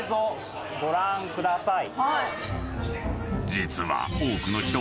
［実は］